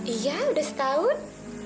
iya udah setahun